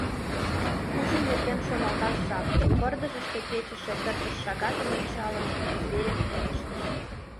Ужин нерген шоналташ жап, — пырдыжыште кечыше тыртыш шагатым ончалын, Зверев пелештыш.